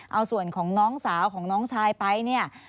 เอาส่วนของน้องสาวของน้องชายไปเนี่ย